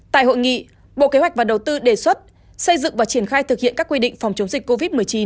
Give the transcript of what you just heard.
tại hội nghị bộ kế hoạch và đầu tư đề xuất xây dựng và triển khai thực hiện các quy định phòng chống dịch covid một mươi chín